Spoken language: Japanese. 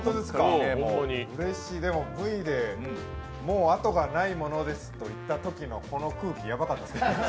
うれしい、Ｖでもう後がない者ですと言ったときのこの空気、ヤバかったです。